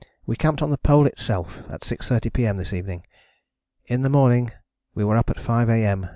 _ We camped on the Pole itself at 6.30 P.M. this evening. In the morning we were up at 5 A.M.